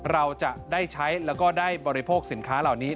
เราจะได้ใช้แล้วก็ได้บริโภคสินค้าเหล่านี้